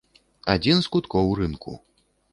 Адзін з куткоў рынку.